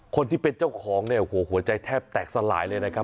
คนที่เป็นเจ้าของเนี่ยโอ้โหหัวใจแทบแตกสลายเลยนะครับ